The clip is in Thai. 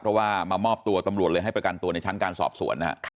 เพราะว่ามามอบตัวตำรวจเลยให้ประกันตัวในชั้นการสอบสวนนะฮะ